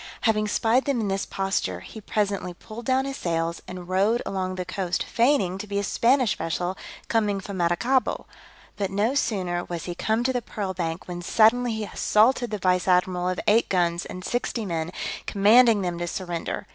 Having spied them in this posture, he presently pulled down his sails, and rowed along the coast feigning to be a Spanish vessel coming from Maracaibo; but no sooner was he come to the pearl bank, when suddenly he assaulted the vice admiral of eight guns and sixty men, commanding them to surrender.